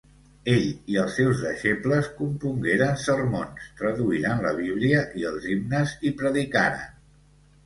Ell i els seus deixebles compongueren sermons, traduïren la Bíblia i els himnes, i predicaren.